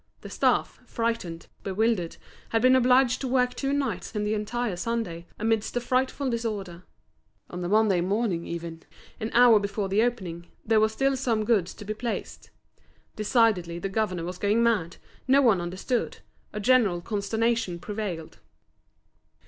The staff, frightened, bewildered, had been obliged to work two nights and the entire Sunday, amidst a frightful disorder. On the Monday morning even, an hour before the opening, there was still some goods to be placed. Decidedly the governor was going mad, no one understood, a general consternation prevailed.